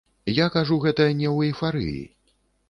Я кажу гэта не ў эйфарыі.